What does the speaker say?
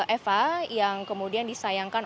eva yang kemudian disayangkan